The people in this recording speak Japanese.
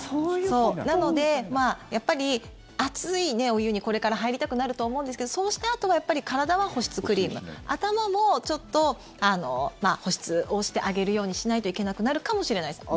なのでやっぱり熱いお湯にこれから入りたくなると思うんですけどそうしたあとはやっぱり体は保湿クリーム頭もちょっと保湿をしてあげるようにしないといけなくなるかもしれないです。